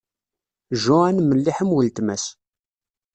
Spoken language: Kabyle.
Joan melliḥ am uletma-s.